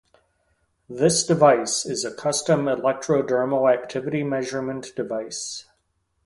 This device is a custom electrodermal activity measurement device.